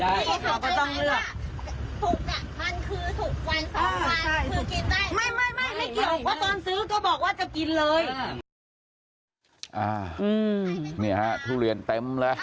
อ่านี่ฮะทูเรียนเต็มแล้ว